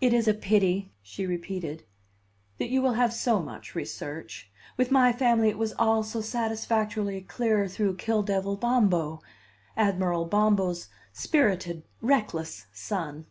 It is a pity," she repeated, "that you will have so much research. With my family it was all so satisfactorily clear through Kill devil Bombo Admiral Bombo's spirited, reckless son."